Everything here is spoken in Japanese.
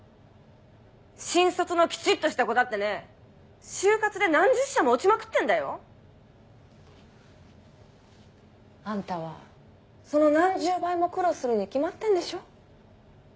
新卒のきちっとした子だってね就活で何十社も落ちまくってんだよ。あんたはその何十倍も苦労するに決まってんでしょ。